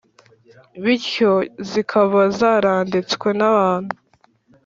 bityo zikaba zaranditswe n’abantu